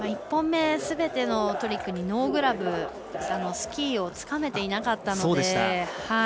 １本目すべてのトリックにノーグラブスキーをつかめていなかったので。